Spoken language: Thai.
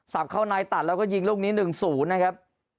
เข้าในตัดแล้วก็ยิงลูกนี้๑๐นะครับ